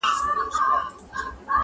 غم لړلی نازولی دی کمکی دی-